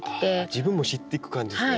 自分も知っていく感じですね。